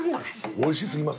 おいし過ぎます。